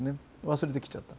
忘れてきちゃった。